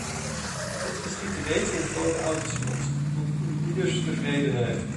Dit geschiedt reeds in grote autosalons, tot eenieders tevredenheid.